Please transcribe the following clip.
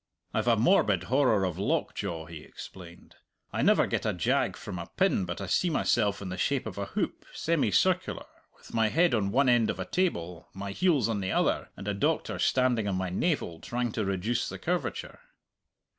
"I've a morbid horror of lockjaw," he explained. "I never get a jag from a pin but I see myself in the shape of a hoop, semicircular, with my head on one end of a table, my heels on the other, and a doctor standing on my navel trying to reduce the curvature."